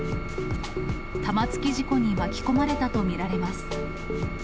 玉突き事故に巻き込まれたと見られます。